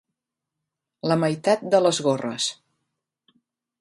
La meitat de les gorres.